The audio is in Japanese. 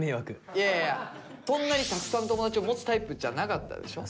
そんなにたくさん友達を持つタイプじゃなかったでしょ。